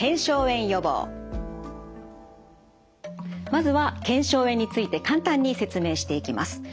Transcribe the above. まずは腱鞘炎について簡単に説明していきます。